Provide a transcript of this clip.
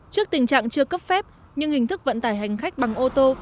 trước tình trạng chưa cấp phép nhưng hình thức vận tải hành khách bằng ô tô